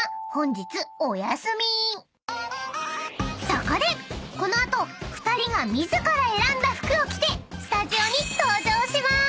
［そこでこの後２人が自ら選んだ服を着てスタジオに登場しまーす！］